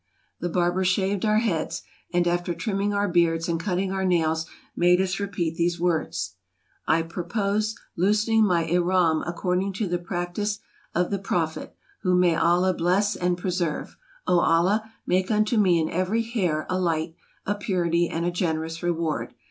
The barber shaved our heads, and, after trimming our beards and cutting our nails, made us repeat these words: " I purpose loosening my ihram ac cording to the practice of the Prophet, whom may Allah bless and preserve! O Allah, make unto me in every hair, a light, a purity, and a generous reward